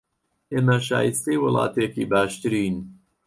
ئێمە شایستەی وڵاتێکی باشترین